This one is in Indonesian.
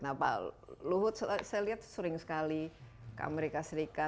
nah pak luhut saya lihat sering sekali ke amerika serikat